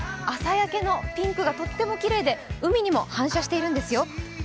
朝焼けのピンクがとってもきれいで海にも反射しているんですよ。